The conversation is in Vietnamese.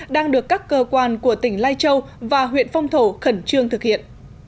đang được các cơ quan của tỉnh lai châu và huyện phong thổ khẩn trương thực hiện